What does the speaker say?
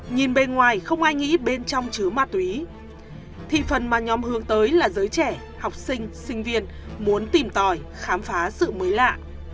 nhìn bên ngoài không ai nghĩ bên trong chứa ma túy thì phần mà nhóm hướng tới là giới trẻ học sinh sinh viên muốn tìm tòi khám phá sự mới lạ